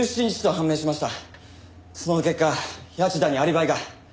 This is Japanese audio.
その結果谷内田にアリバイが。